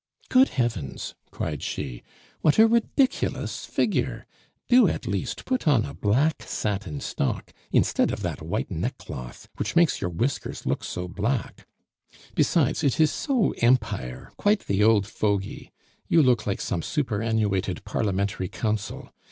"Good heavens!" cried she, "what a ridiculous figure! Do, at least, put on a black satin stock instead of that white neckcloth which makes your whiskers look so black; besides, it is so 'Empire,' quite the old fogy. You look like some super annuated parliamentary counsel.